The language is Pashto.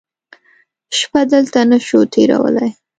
شپه دلته نه شو تېرولی.